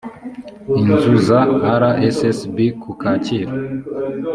inzu za rssb ku kacyiru